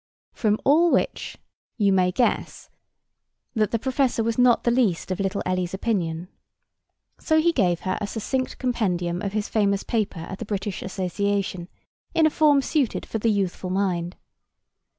From all which you may guess that the professor was not the least of little Ellie's opinion. So he gave her a succinct compendium of his famous paper at the British Association, in a form suited for the youthful mind.